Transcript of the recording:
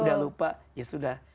sudah lupa ya sudah